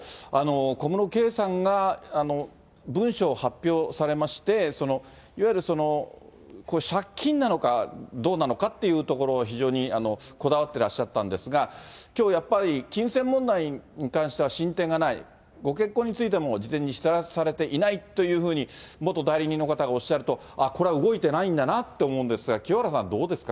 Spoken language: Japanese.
小室圭さんが文書を発表されまして、いわゆる、借金なのかどうなのかっていうところ、非常にこだわってらっしゃったんですが、きょう、やっぱり金銭問題に関しては進展がない、ご結婚についても事前に知らされていないというふうに、元代理人の方がおっしゃると、ああ、これは動いてないんだなと思うんですが、清原さん、どうですか？